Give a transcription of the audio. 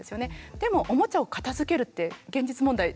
でもおもちゃを片づけるって現実問題どうでしょう。